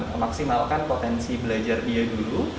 memaksimalkan potensi belajar dia dulu